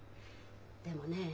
でもねえ